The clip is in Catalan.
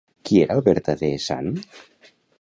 Qui era el vertader sant?